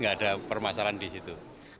nggak ada permasalahan di situ